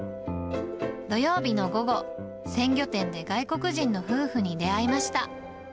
土曜日の午後、鮮魚店で外国人の夫婦に出会いました。